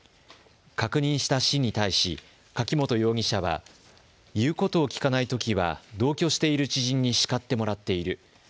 確認した市に対し柿本容疑者は言うことを聞かないときは同居している知人に叱ってもらっている。